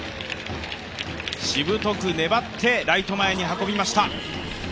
しぶとく粘ってライト前に運びました。